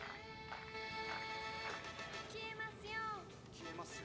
「『消えますよ』」